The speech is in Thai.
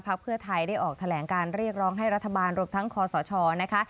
เพื่อไทยได้ออกแถลงการเรียกร้องให้รัฐบาลรวมทั้งคอสชนะคะ